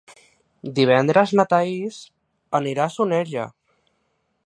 Divendres na Thaís anirà a Soneja.